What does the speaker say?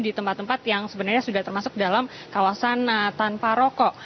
di tempat tempat yang sebenarnya sudah termasuk dalam kawasan tanpa rokok